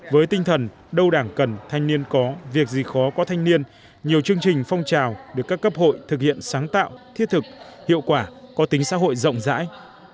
với tinh thần đâu đảng cần thanh niên có việc gì khó có thanh niên nhiều chương trình phong trào được các cấp hội thực hiện sáng tạo thiết thực hiệu quả có tính xã hội rộng rãi